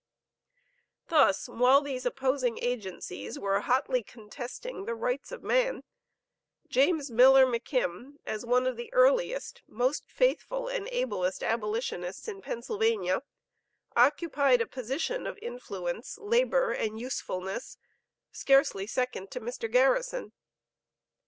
Thus, while these opposing agencies were hotly contesting the rights of man, James Miller McKim, as one of the earliest, most faithful, and ablest abolitionists in Pennsylvania, occupied a position of influence, labor and usefulness, scarcely second to Mr. Garrison.